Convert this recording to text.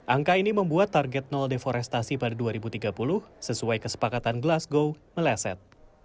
angka ini membuat target nol deforestasi pada dua ribu tiga puluh sesuai kesepakatan glasgow meleset